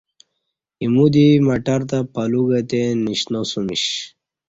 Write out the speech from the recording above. ایمو دی مٹر تہ پلو گتے نشناسمیش